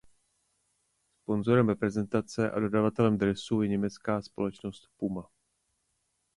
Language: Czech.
Sponzorem reprezentace a dodavatelem dresů je německá společnost Puma.